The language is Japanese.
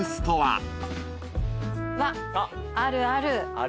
わっあるある。